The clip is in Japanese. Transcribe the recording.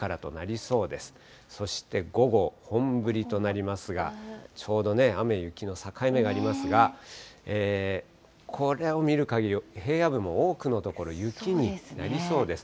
そして午後、本降りとなりますが、ちょうどね、雨、雪の境目がありますが、これを見るかぎり、平野部も多くの所、雪になりそうです。